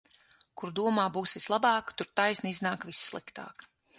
Kur domā būs vislabāki, tur taisni iznāk vissliktāki.